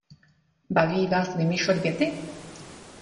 Baví vás vymýšlet věty?